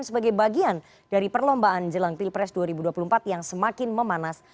sebagai bagian dari perlombaan jelang pilpres dua ribu dua puluh empat yang semakin memanas